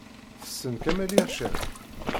Tessen Kamel Ircen?